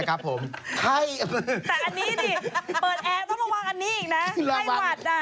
ไข้หวัดอะ